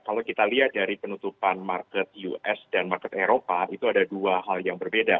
kalau kita lihat dari penutupan market us dan market eropa itu ada dua hal yang berbeda